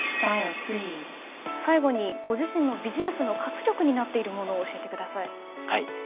最後にご自身のビジネスの活力になっているものを教えてください。